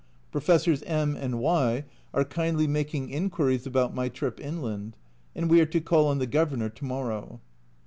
Professors My and Y are kindly making inquiries about my trip inland, and we are to call on the Governor to morrow.